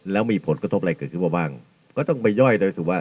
แล้วมีผลกระทบอะไรเกิดขึ้นมาบ้างก็ต้องไปย่อยได้สิว่า